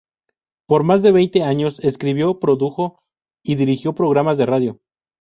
Por más de veinte años escribió, produjo y dirigió programas de radio.